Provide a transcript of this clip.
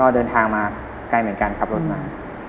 เดินทางมาไกลเหมือนกันขับรถมา